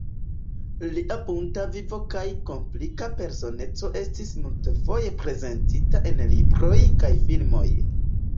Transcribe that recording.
Lia bunta vivo kaj komplika personeco estis multfoje prezentita en libroj kaj filmoj.